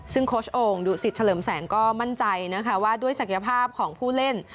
ซึ่งโค้ชโอ่งดุสิตเฉลิมแสงก็มั่นใจนะคะว่าด้วยศักยภาพของผู้เล่น